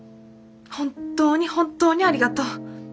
本当に本当にありがとう。